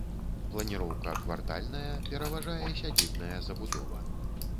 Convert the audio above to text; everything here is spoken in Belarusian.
Планіроўка квартальная, пераважае сядзібная забудова.